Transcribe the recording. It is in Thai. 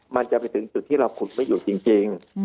มันจะไปถึงจุดที่เราขุดไม่อยู่จริง